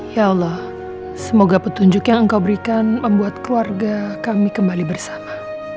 ya allah semoga petunjuk yang engkau berikan membuat keluarga kami kembali bersama